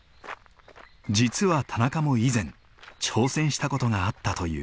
実は田中も以前挑戦した事があったという。